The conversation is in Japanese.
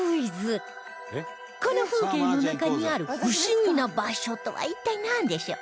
この風景の中にある不思議な場所とは一体なんでしょう？